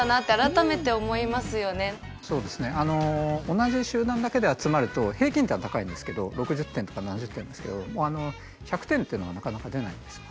同じ集団だけで集まると平均点は高いんですけど６０点とか７０点ですけど１００点っていうのはなかなか出ないんですよ。